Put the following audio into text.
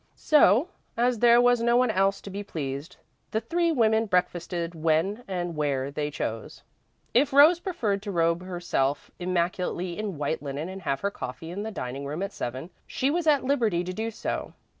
So, as there was no one else to be pleased, the three women breakfasted when and where they chose. If Rose preferred to robe herself immaculately in white linen and have her coffee in the dining room at seven, she was at liberty to do so.